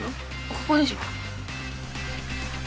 ここでしょ。